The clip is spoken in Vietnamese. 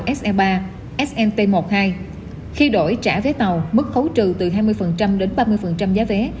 khách mua vé tàu se ba snt một hai khi đổi trả vé tàu mức hấu trừ từ hai mươi đến ba mươi giá vé